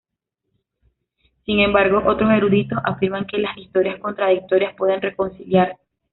Sin embargo, otros eruditos afirman que las historias contradictorias pueden reconciliarse.